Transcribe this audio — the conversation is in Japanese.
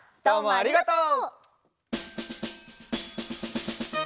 ありがとう。